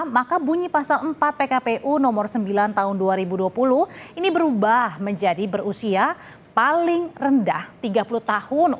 maka bunyi pasal empat pkpu nomor sembilan tahun dua ribu dua puluh ini berubah menjadi berusia paling rendah tiga puluh tahun